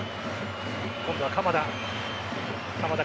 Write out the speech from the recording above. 今度は鎌田。